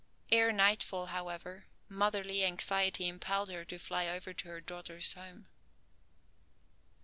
Ere nightfall, however, motherly anxiety impelled her to fly over to her daughter's home.